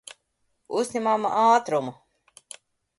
Uzņemam ātrumu.